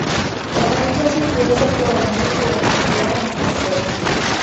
wanahitaji kuweza kuwa wenyeji wa michuano mingi zaidi